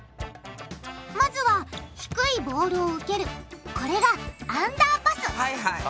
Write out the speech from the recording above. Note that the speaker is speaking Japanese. まずは低いボールを受けるこれがはいはい。